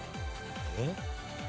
えっ？